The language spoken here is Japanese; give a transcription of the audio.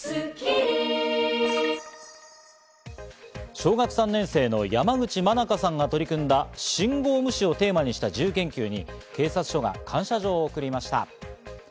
小学３年生の山口真佳さんが取り組んだ「信号無視」をテーマにした自由研究に警察署が感謝状を送りました。